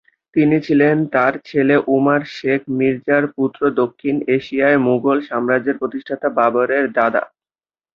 তিনি ছিলেন তার ছেলে উমার শেখ মির্জার পুত্র দক্ষিণ এশিয়ায় মুঘল সম্রাজ্যের প্রতিষ্ঠাতা বাবরের দাদা।